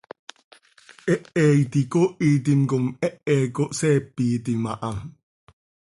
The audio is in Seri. Hehe iti icoohitim com hehe cohseepitim aha.